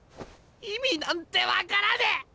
意味なんて分からねえ！